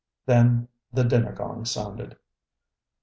Then the dinner gong sounded.